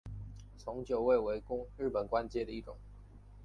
从九位为日本官阶的一种。